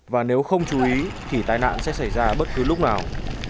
và nếu không chú ý thì tai nạn sẽ xảy ra bất cứ lúc nào